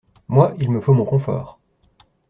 Moi, il me faut mon confort.